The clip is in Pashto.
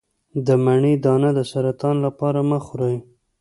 د مڼې دانه د سرطان لپاره مه خورئ